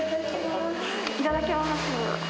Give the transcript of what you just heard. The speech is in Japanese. いただきます。